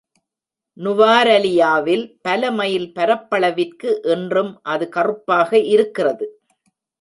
நுவாரலியாவில் பல மைல் பரப்பளவிற்கு இன்றும் அது கறுப்பாக இருக்கிறது.